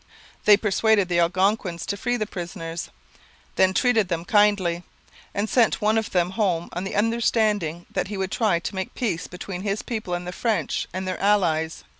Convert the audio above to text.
They persuaded the Algonquins to free the prisoners, then treated them kindly, and sent one of them home on the understanding that he would try to make peace between his people and the French and their allies.